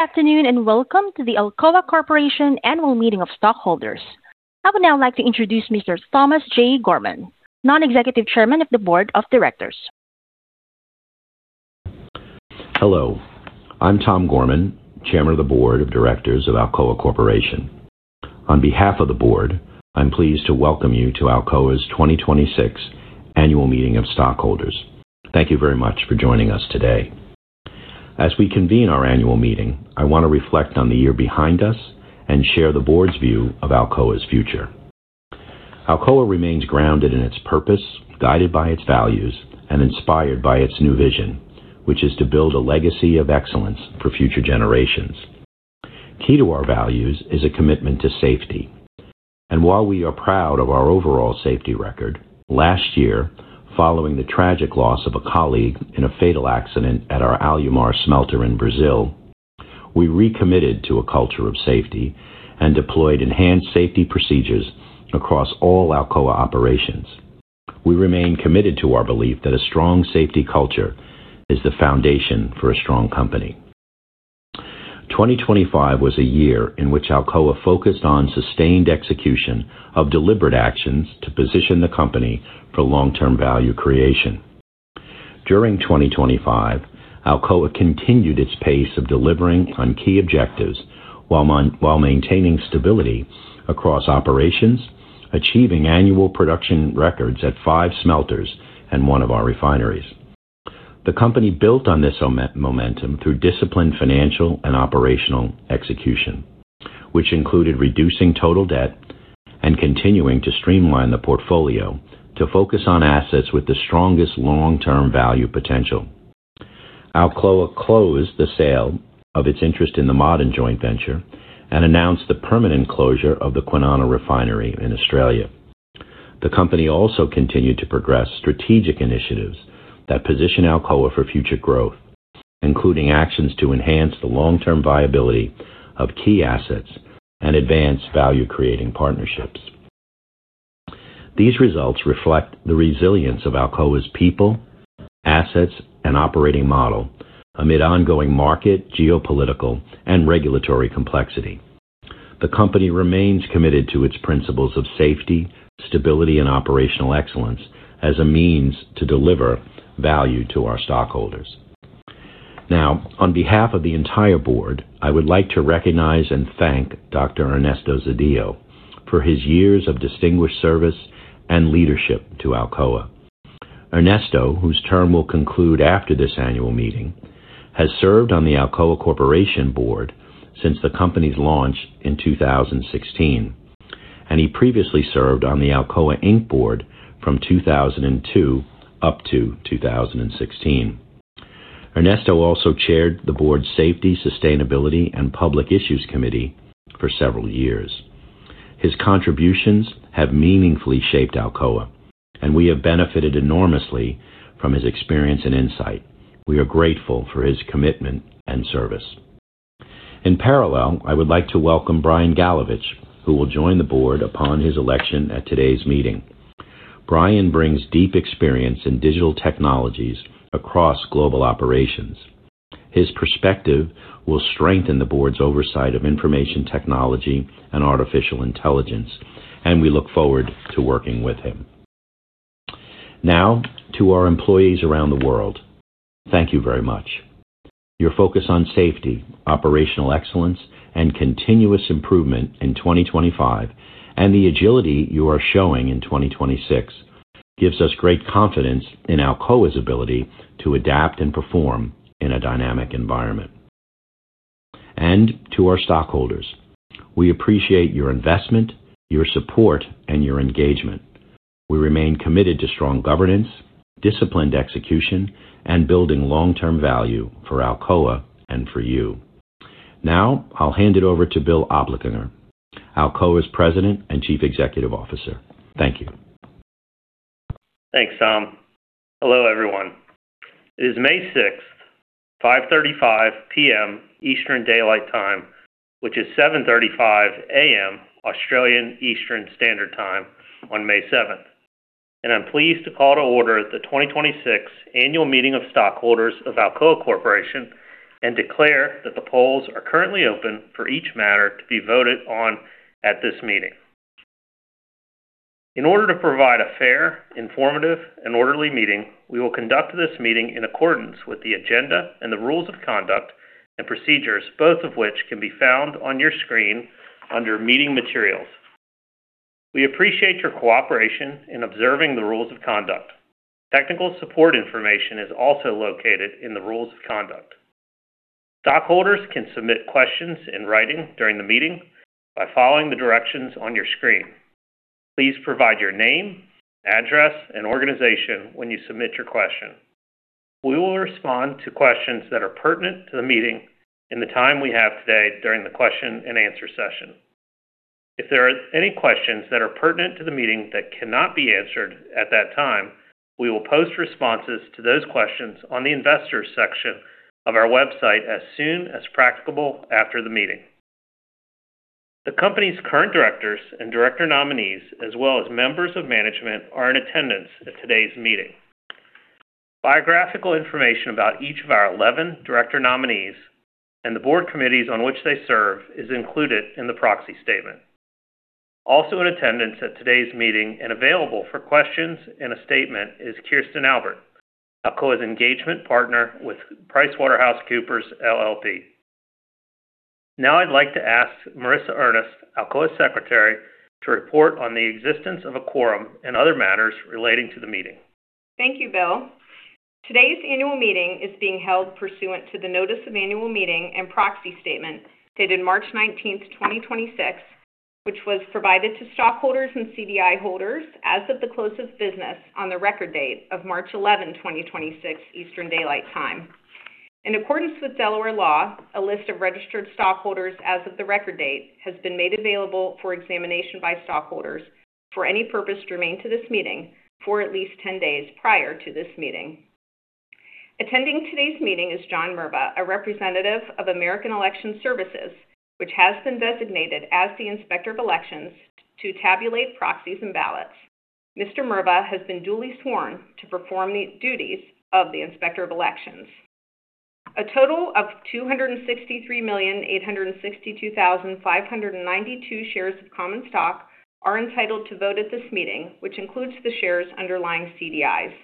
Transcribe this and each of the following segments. Good afternoon, and welcome to the Alcoa Corporation Annual Meeting of Stockholders. I would now like to introduce Mr. Thomas J. Gorman, Non-Executive Chairman of the Board of Directors. Hello, I'm Tom Gorman, Chairman of the Board of Directors of Alcoa Corporation. On behalf of the board, I'm pleased to welcome you to Alcoa's 2026 Annual Meeting of Stockholders. Thank you very much for joining us today. As we convene our annual meeting, I want to reflect on the year behind us and share the board's view of Alcoa's future. Alcoa remains grounded in its purpose, guided by its values, and inspired by its new vision, which is to build a legacy of excellence for future generations. Key to our values is a commitment to safety. While we are proud of our overall safety record, last year, following the tragic loss of a colleague in a fatal accident at our Alumar smelter in Brazil, we recommitted to a culture of safety and deployed enhanced safety procedures across all Alcoa operations. We remain committed to our belief that a strong safety culture is the foundation for a strong company. 2025 was a year in which Alcoa focused on sustained execution of deliberate actions to position the company for long-term value creation. During 2025, Alcoa continued its pace of delivering on key objectives while maintaining stability across operations, achieving annual production records at five smelters and one of our refineries. The company built on this momentum through disciplined financial and operational execution, which included reducing total debt and continuing to streamline the portfolio to focus on assets with the strongest long-term value potential. Alcoa closed the sale of its interest in the Ma'aden joint venture and announced the permanent closure of the Kwinana refinery in Australia. The company also continued to progress strategic initiatives that position Alcoa for future growth, including actions to enhance the long-term viability of key assets and advance value-creating partnerships. These results reflect the resilience of Alcoa's people, assets, and operating model amid ongoing market, geopolitical, and regulatory complexity. The company remains committed to its principles of safety, stability, and operational excellence as a means to deliver value to our stockholders. Now, on behalf of the entire board, I would like to recognize and thank Dr. Ernesto Zedillo for his years of distinguished service and leadership to Alcoa. Ernesto, whose term will conclude after this annual meeting, has served on the Alcoa Corporation board since the company's launch in 2016, and he previously served on the Alcoa Inc. board from 2002 up to 2016. Ernesto also chaired the board's Safety, Sustainability, and Public Issues Committee for several years. His contributions have meaningfully shaped Alcoa, and we have benefited enormously from his experience and insight. We are grateful for his commitment and service. In parallel, I would like to welcome Brian Galovich, who will join the board upon his election at today's meeting. Brian brings deep experience in digital technologies across global operations. His perspective will strengthen the board's oversight of information technology and artificial intelligence, and we look forward to working with him. Now, to our employees around the world, thank you very much. Your focus on safety, operational excellence, and continuous improvement in 2025, and the agility you are showing in 2026 gives us great confidence in Alcoa's ability to adapt and perform in a dynamic environment. To our stockholders, we appreciate your investment, your support, and your engagement. We remain committed to strong governance, disciplined execution, and building long-term value for Alcoa and for you. Now, I'll hand it over to Bill Oplinger, Alcoa's President and Chief Executive Officer. Thank you. Thanks, Tom. Hello, everyone. It is May 6th, 5:35 P.M. Eastern Daylight Time, which is 7:35 A.M. Australian Eastern Standard Time on May 7th. I'm pleased to call to order the 2026 Annual Meeting of Stockholders of Alcoa Corporation and declare that the polls are currently open for each matter to be voted on at this meeting. In order to provide a fair, informative, and orderly meeting, we will conduct this meeting in accordance with the agenda and the rules of conduct and procedures, both of which can be found on your screen under Meeting Materials. We appreciate your cooperation in observing the rules of conduct. Technical support information is also located in the rules of conduct. Stockholders can submit questions in writing during the meeting by following the directions on your screen. Please provide your name, address, and organization when you submit your question. We will respond to questions that are pertinent to the meeting in the time we have today during the question and answer session. If there are any questions that are pertinent to the meeting that cannot be answered at that time, we will post responses to those questions on the investors section of our website as soon as practicable after the meeting. The company's current directors and director nominees, as well as members of management, are in attendance at today's meeting. Biographical information about each of our 11 director nominees and the board committees on which they serve is included in the proxy statement. Also in attendance at today's meeting and available for questions and a statement is Kirsten Albert, Alcoa's engagement partner with PricewaterhouseCoopers LLP. Now I'd like to ask Marissa Earnest, Alcoa's secretary, to report on the existence of a quorum and other matters relating to the meeting. Thank you, Bill. Today's annual meeting is being held pursuant to the Notice of Annual Meeting and Proxy Statement dated March 19th, 2026, which was provided to stockholders and CDI holders as of the close of business on the record date of March 11, 2026, Eastern Daylight Time. In accordance with Delaware law, a list of registered stockholders as of the record date has been made available for examination by stockholders for any purpose germane to this meeting for at least 10 days prior to this meeting. Attending today's meeting is John Merva, a representative of American Election Services, which has been designated as the inspector of elections to tabulate proxies and ballots. Mr. Merva has been duly sworn to perform the duties of the inspector of elections. A total of 263,862,592 shares of common stock are entitled to vote at this meeting, which includes the shares' underlying CDIs.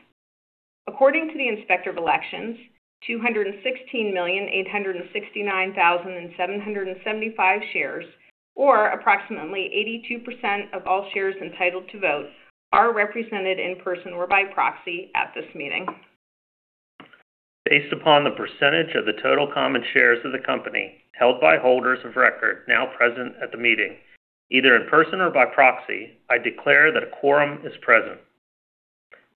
According to the inspector of elections, 216,869,775 shares, or approximately 82% of all shares entitled to vote, are represented in person or by proxy at this meeting. Based upon the percentage of the total common shares of the company held by holders of record now present at the meeting, either in person or by proxy, I declare that a quorum is present.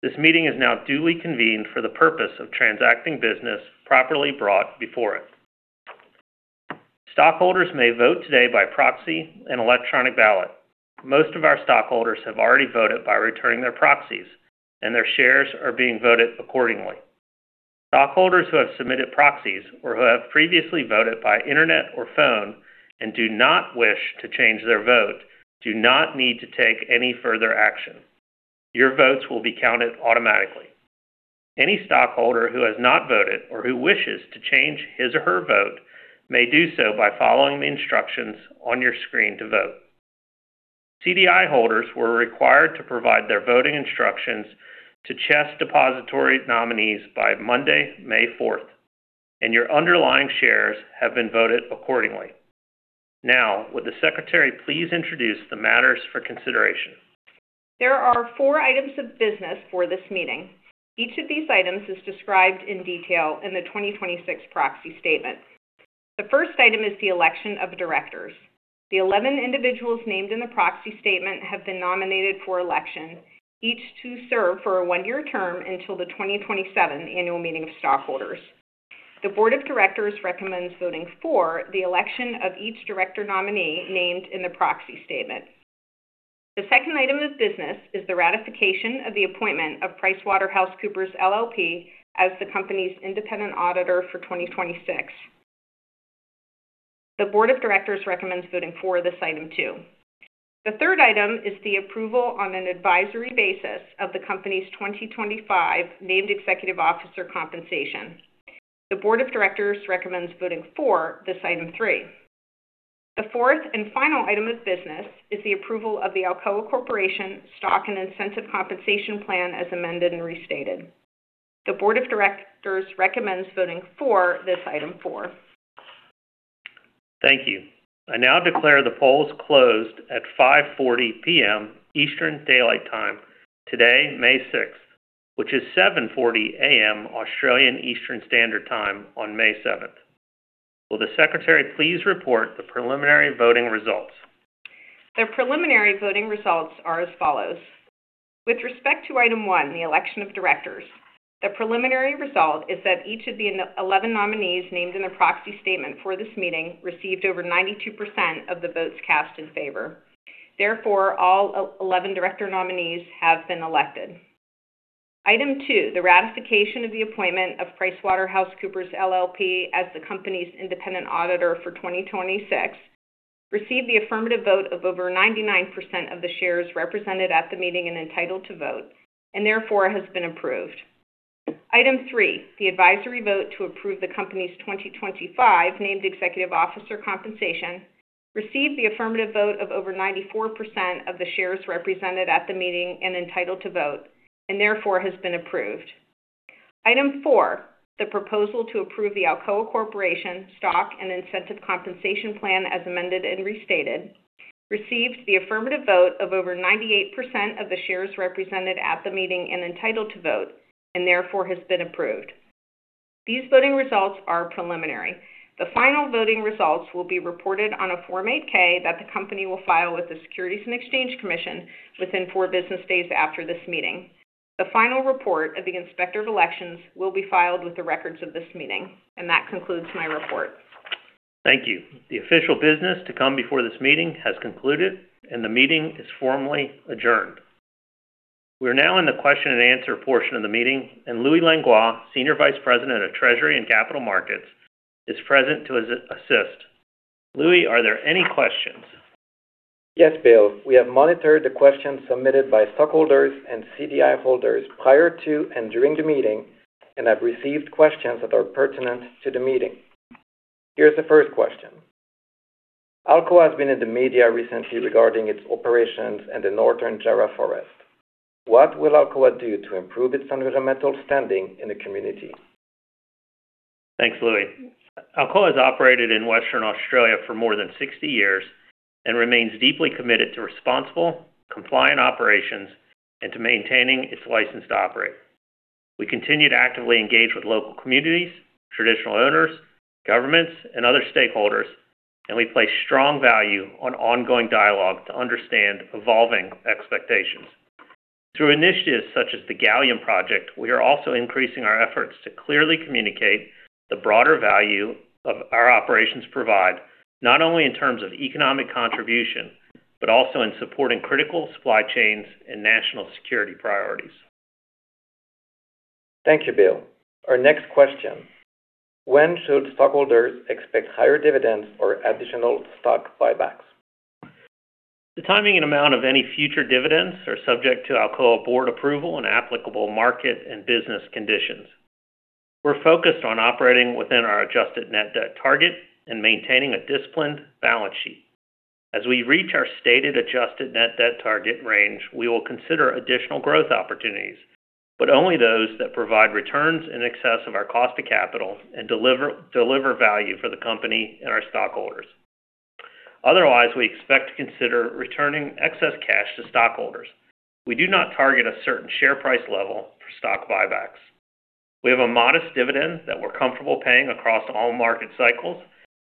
This meeting is now duly convened for the purpose of transacting business properly brought before it. Stockholders may vote today by proxy and electronic ballot. Most of our stockholders have already voted by returning their proxies, and their shares are being voted accordingly. Stockholders who have submitted proxies or who have previously voted by internet or phone and do not wish to change their vote do not need to take any further action. Your votes will be counted automatically. Any stockholder who has not voted or who wishes to change his or her vote may do so by following the instructions on your screen to vote. CDI holders were required to provide their voting instructions to CHESS Depositary Nominees by Monday, May 4th, and your underlying shares have been voted accordingly. Now, would the secretary please introduce the matters for consideration? There are four items of business for this meeting. Each of these items is described in detail in the 2026 proxy statement. The first item is the election of directors. The 11 individuals named in the proxy statement have been nominated for election, each to serve for a one-year term until the 2027 annual meeting of stockholders. The board of directors recommends voting for the election of each director nominee named in the proxy statement. The second item of business is the ratification of the appointment of PricewaterhouseCoopers LLP as the company's independent auditor for 2026. The board of directors recommends voting for this item too. The third item is the approval on an advisory basis of the company's 2025 named executive officer compensation. The board of directors recommends voting for this item three. The fourth and final item of business is the approval of the Alcoa Corporation Stock and Incentive Compensation Plan as amended and restated. The board of directors recommends voting for this item four. Thank you. I now declare the polls closed at 5:40 P.M. Eastern Daylight Time today, May 6th, which is 7:40 A.M. Australian Eastern Standard Time on May 7th. Will the secretary please report the preliminary voting results? The preliminary voting results are as follows: with respect to item one, the election of directors, the preliminary result is that each of the 11 nominees named in the proxy statement for this meeting received over 92% of the votes cast in favor. Therefore, all 11 director nominees have been elected. Item two, the ratification of the appointment of PricewaterhouseCoopers LLP as the company's independent auditor for 2026, received the affirmative vote of over 99% of the shares represented at the meeting and entitled to vote, and therefore has been approved. Item three, the advisory vote to approve the company's 2025 named executive officer compensation, received the affirmative vote of over 94% of the shares represented at the meeting and entitled to vote, and therefore has been approved. Item four, the proposal to approve the Alcoa Corporation Stock and Incentive Compensation Plan as amended and restated, received the affirmative vote of over 98% of the shares represented at the meeting and entitled to vote, and therefore has been approved. These voting results are preliminary. The final voting results will be reported on a Form 8-K that the company will file with the Securities and Exchange Commission within four business days after this meeting. The final report of the inspector of elections will be filed with the records of this meeting. That concludes my report. Thank you. The official business to come before this meeting has concluded, and the meeting is formally adjourned. We're now in the question and answer portion of the meeting, and Louis Langlois, Senior Vice President of Treasury and Capital Markets, is present to assist. Louis, are there any questions? Yes, Bill. We have monitored the questions submitted by stockholders and CDI holders prior to and during the meeting and have received questions that are pertinent to the meeting. Here's the first question: Alcoa has been in the media recently regarding its operations in the Northern Jarrah Forest. What will Alcoa do to improve its fundamental standing in the community? Thanks, Louis. Alcoa has operated in Western Australia for more than 60 years and remains deeply committed to responsible, compliant operations and to maintaining its license to operate. We continue to actively engage with local communities, traditional owners, governments, and other stakeholders, and we place strong value on ongoing dialogue to understand evolving expectations. Through initiatives such as the Gallium project, we are also increasing our efforts to clearly communicate the broader value of our operations provide, not only in terms of economic contribution, but also in supporting critical supply chains and national security priorities. Thank you, Bill. Our next question: When should stockholders expect higher dividends or additional stock buybacks? The timing and amount of any future dividends are subject to Alcoa board approval and applicable market and business conditions. We're focused on operating within our adjusted net debt target and maintaining a disciplined balance sheet. As we reach our stated adjusted net debt target range, we will consider additional growth opportunities, but only those that provide returns in excess of our cost of capital and deliver value for the company and our stockholders. Otherwise, we expect to consider returning excess cash to stockholders. We do not target a certain share price level for stock buybacks. We have a modest dividend that we're comfortable paying across all market cycles,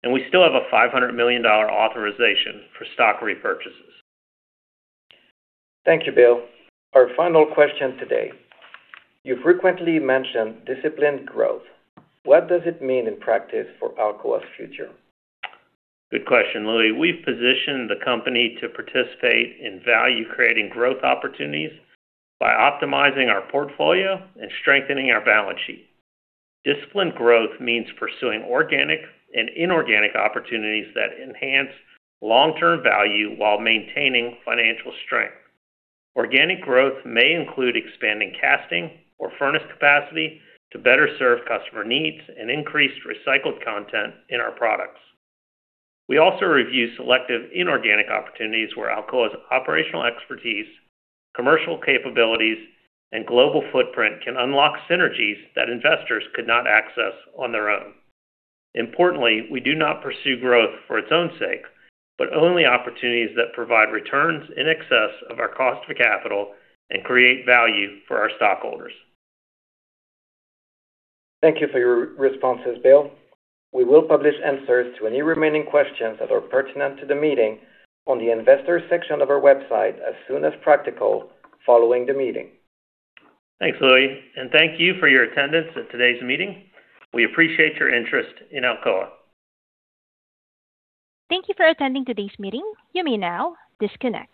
and we still have a $500 million authorization for stock repurchases. Thank you, Bill. Our final question today: You frequently mention disciplined growth. What does it mean in practice for Alcoa's future? Good question, Louis. We've positioned the company to participate in value-creating growth opportunities by optimizing our portfolio and strengthening our balance sheet. Disciplined growth means pursuing organic and inorganic opportunities that enhance long-term value while maintaining financial strength. Organic growth may include expanding casting or furnace capacity to better serve customer needs and increase recycled content in our products. We also review selective inorganic opportunities where Alcoa's operational expertise, commercial capabilities, and global footprint can unlock synergies that investors could not access on their own. Importantly, we do not pursue growth for its own sake, but only opportunities that provide returns in excess of our cost of capital and create value for our stockholders. Thank you for your responses, Bill. We will publish answers to any remaining questions that are pertinent to the meeting on the investors section of our website as soon as practical following the meeting. Thanks, Louis, and thank you for your attendance at today's meeting. We appreciate your interest in Alcoa. Thank you for attending today's meeting. You may now disconnect.